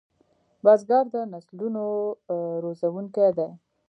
بزګر د نسلونو روزونکی دی